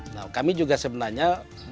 nah kami juga sebenarnya